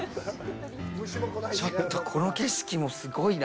ちょっと、この景色もすごいな。